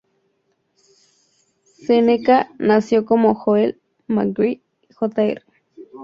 Seneca nació como Joel McGhee, Jr.